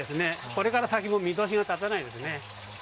これから先も見通しが立たないです。